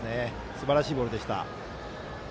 すばらしいボールでした。